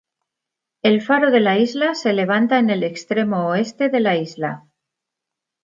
El faro de la isla se levanta en el extremo oeste de la isla.